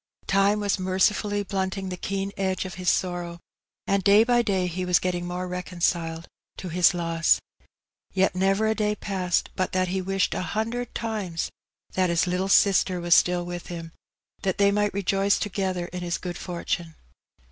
Time was mercifully blunting the keen edge of his sorrow, and day by day he was getting more reconciled to his loss. Yet never a day passed but that he wished a hundred times that his little sister were still with him, that they might rejoice together in his good fortune.